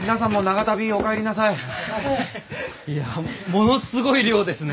ものすごい量ですね！